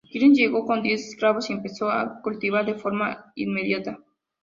Kingsley llegó con diez esclavos y empezaron a cultivar de forma inmediata.